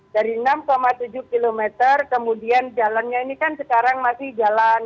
dari enam tujuh km kemudian jalannya ini kan sekarang masih jalan